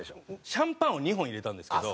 シャンパンを２本入れたんですけど。